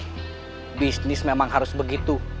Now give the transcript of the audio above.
karena bisnis memang harus begitu